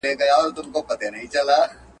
د متاهل خطبه په ټولنه کي اسانه نه وي.